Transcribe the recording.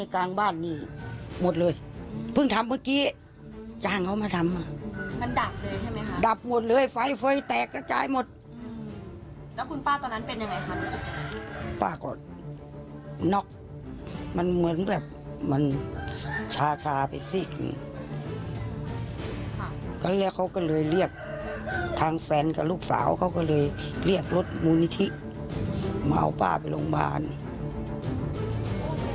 ก็เลยเขาก็เลยเรียกทางแฟนกับลูกสาวเขาก็เลยเรียกรถมูลนิธิมาเอาป้าไปโรงพยาบาล